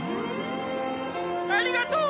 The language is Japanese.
ありがとう！